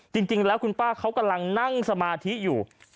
จริงแล้วคุณป้าเขากำลังนั่งสมาธิอยู่